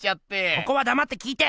ここはだまって聞いて！